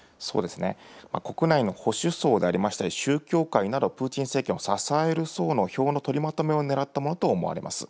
国内の保守層でありましたり、宗教界など、プーチン政権を支える層の票の取りまとめをねらったものと思われます。